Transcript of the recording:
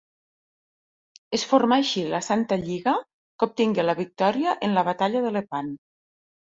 Es formà així la Santa Lliga que obtingué la victòria en la Batalla de Lepant.